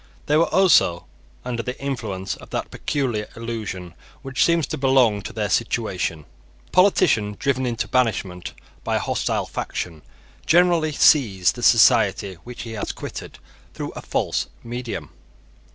They were also under the influence of that peculiar illusion which seems to belong to their situation. A politician driven into banishment by a hostile faction generally sees the society which he has quitted through a false medium.